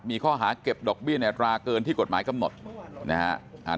มีข้อหาเก็บดอกเบี้ยในอัตราเกินที่กฎหมายกำหนดนะฮะ